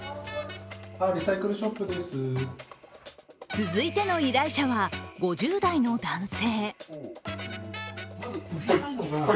続いての依頼者は５０代の男性。